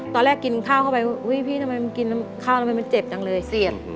ตอนแรกกินข้าวเข้าไปอุ้ยพี่ทำไมมันกินข้าวทำไมมันเจ็บจังเลยเสี่ยง